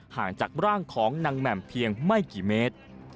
ห่างจากร่างของนางแหม่มเพียงไม่กี่เมตร